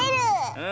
うん。